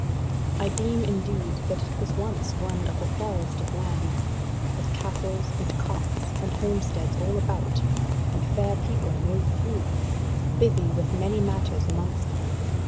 I deem indeed that it was once one of the fairest of lands, with castles and cots and homesteads all about, and fair people no few, busy with many matters amongst them.